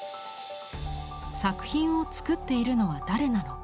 「作品を作っているのは誰なのか」。